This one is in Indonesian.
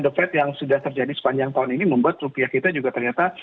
the fed yang sudah terjadi sepanjang tahun ini membuat rupiah kita juga ternyata